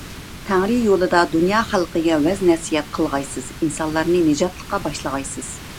تەڭرى يولىدا دۇنيا خەلقىگە ۋەز - نەسىھەت قىلغايسىز، ئىنسانلارنى نىجاتلىققا باشلىغايسىز.